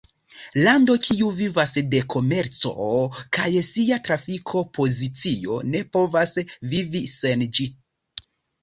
Lando kiu vivas de komerco kaj sia trafiko pozicio ne povas vivi sen ĝi.